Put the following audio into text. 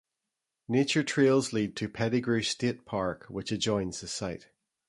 Nature trails lead to Pettigrew State Park, which adjoins the site.